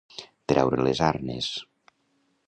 Treure les arnes.